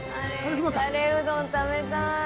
カレーうどん食べたい。